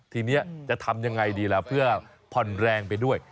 ทีนี้จะทำยังไงดีล่ะเพื่อผ่อนแรงไปด้วย